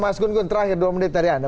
mas gun gun terakhir dua menit dari anda